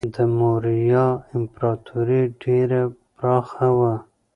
د موریا امپراتوري ډیره پراخه وه.